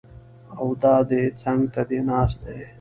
او دا دی څنګ ته دې ناست دی!